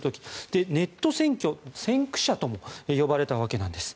ネット選挙先駆者とも呼ばれたわけなんです。